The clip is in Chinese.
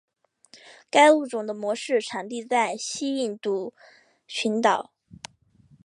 该物种的模式产地在西印度群岛。